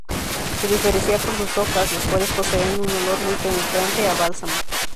Se diferencia por sus hojas, las cuales poseen un olor muy penetrante a bálsamo.